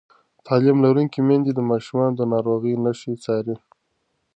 تعلیم لرونکې میندې د ماشومانو د ناروغۍ نښې څاري.